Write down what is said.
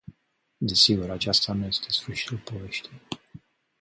Desigur, acesta nu este sfârșitul poveștii.